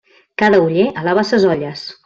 Cada oller alaba ses olles.